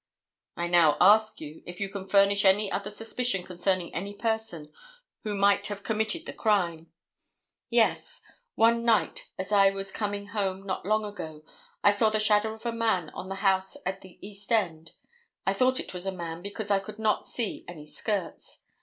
"I now ask you if you can furnish any other suspicion concerning any person who might have committed the crime?" "Yes; one night as I was coming home not long ago I saw the shadow of a man on the house at the east end. I thought it was a man because I could not see any skirts.